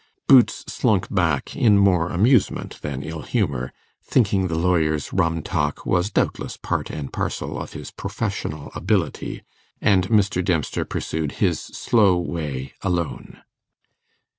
Boots slunk back, in more amusement than ill humour, thinking the lawyer's 'rum talk' was doubtless part and parcel of his professional ability; and Mr. Dempster pursued his slow way alone.